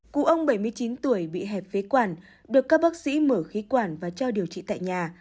cụ ông bảy mươi chín tuổi bị hẹp phế quản được các bác sĩ mở khí quản và cho điều trị tại nhà